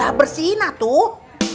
ya udah bersihin atuh